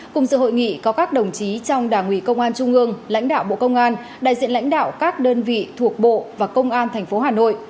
cùng sự hội nghị có các đồng chí trong đảng ủy công an trung ương lãnh đạo bộ công an đại diện lãnh đạo các đơn vị thuộc bộ và công an tp hà nội